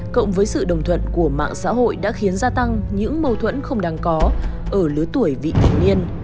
cộng với sự đồng thuận của mạng xã hội đã khiến gia tăng những mâu thuẫn không đáng có ở lứa tuổi vị thanh niên